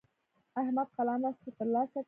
احمد قلم راڅخه تر لاسه کړ.